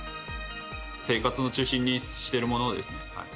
生活の中心にしているものです。